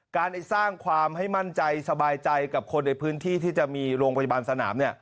การสร้างความให้มั่นใจสบายใจกับคนในพื้นที่ที่จะมีโรงพยาบาลสนาม